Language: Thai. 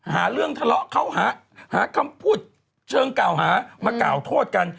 หาเรื่องทะเลาะเขาหาคำพูดเชิงกล่าวหามากล่าวโทษกัน